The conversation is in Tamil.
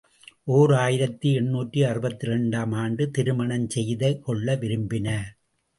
ஓர் ஆயிரத்து எண்ணூற்று அறுபத்திரண்டு ஆம் ஆண்டு திருமணம் செய்து கொள்ள விரும்பினார்.